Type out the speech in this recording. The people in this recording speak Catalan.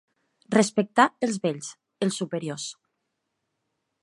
Respectar els vells, els superiors.